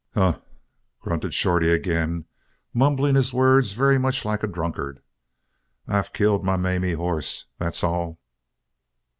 "Huh!" grunted Shorty again, mumbling his words very much like a drunkard. "I've killed my Mamie hoss, that's all!"